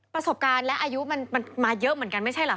ประสบการณ์และอายุมันมาเยอะเหมือนกันไม่ใช่เหรอค